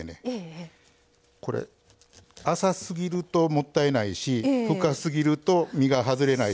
これ浅すぎるともったいないし深すぎると実が外れないし。